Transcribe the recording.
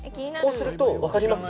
こうすると、分かります？